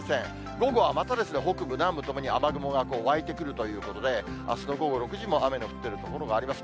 午後はまた北部、南部ともに雨雲が湧いてくるということで、あすの午後６時も雨の降ってる所があります。